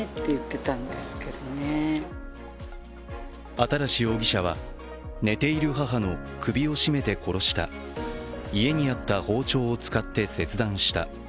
新容疑者は寝ている母の首を絞めて殺した、家にあった包丁を使って切断した。